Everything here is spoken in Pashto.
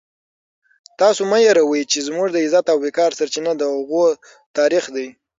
تاسو مه هېروئ چې زموږ د عزت او وقار سرچینه د هغوی تاریخ دی.